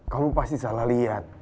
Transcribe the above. kamu pasti salah lihat